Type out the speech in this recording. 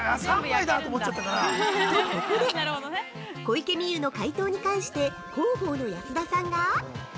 ◆と、ここで小池美由の解答に関して、広報の安田さんが。